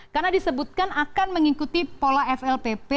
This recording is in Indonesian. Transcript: karena disebutkan akan mengikuti pola flpp